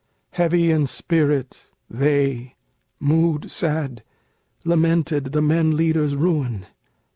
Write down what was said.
Heavy in spirit They mood sad lamented the men leader's ruin....